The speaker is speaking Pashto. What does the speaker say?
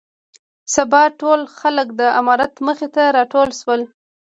سبا ټول خلک د امارت مخې ته راټول شول.